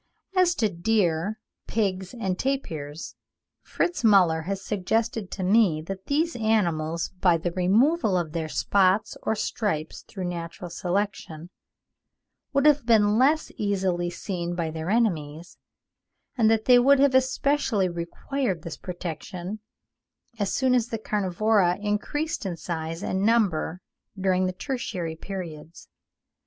As to deer, pigs, and tapirs, Fritz Müller has suggested to me that these animals, by the removal of their spots or stripes through natural selection, would have been less easily seen by their enemies; and that they would have especially required this protection, as soon as the carnivora increased in size and number during the tertiary periods.